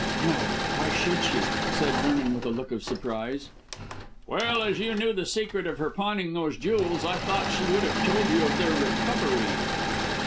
"No. Why should she?" said Vernon with a look of surprise. "Well, as you knew the secret of her pawning those jewels, I thought she would have told you of their recovery."